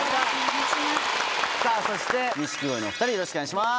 さぁそして錦鯉のお２人よろしくお願いします。